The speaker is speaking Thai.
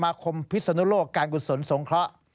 คมพิศนุโลกการกุศลสงเคราะห์